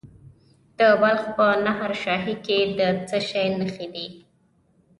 د بلخ په نهر شاهي کې د څه شي نښې دي؟